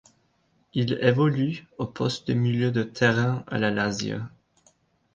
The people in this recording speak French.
Il évolue au poste de milieu de terrain à la Lazio.